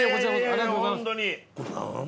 ありがとうございます。